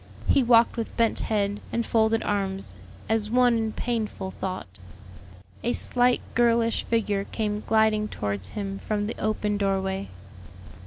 He walked with bent head and folded arms, as one in painful thought. A slight girlish figure came gliding towards him from the open doorway.